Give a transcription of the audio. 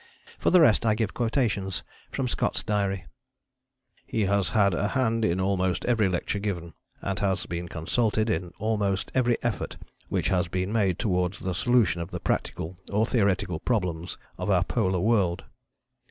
For the rest I give quotations from Scott's diary: "He has had a hand in almost every lecture given, and has been consulted in almost every effort which has been made towards the solution of the practical or theoretical problems of our Polar world."